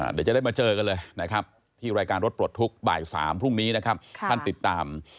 เดี๋ยวจะได้มาเจอกันเลยนะครับที่รายการรถปลดทุกข์บ่าย๓พรุ่งนี้นะครับท่านติดตาม